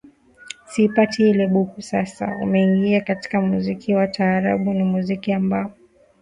siipati ile buku Sasa umeingia katika muziki wa taarabu Ni muziki ambao